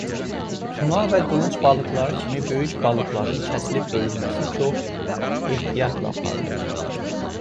Tuna və qılınc balıqları kimi böyük balıqların kəsilib bölünməsi çox ehtiyatla aparılır.